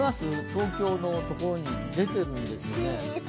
東京のところに出てるんですよね。